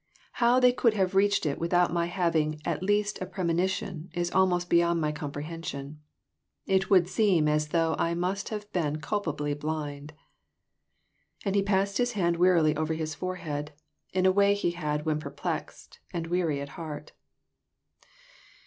How they could have reached it with out my having at least a premonition, is almost beyond my comprehension. It would seem as though I must have been culpably blind." And he passed his hand wearily over his forehead, in a way he had when perplexed and weary at heart.